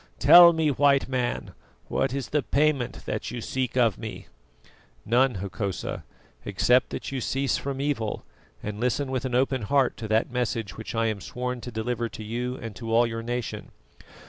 Tell me, White Man, what is the payment that you seek of me?" "None, Hokosa, except that you cease from evil and listen with an open heart to that message which I am sworn to deliver to you and to all your nation.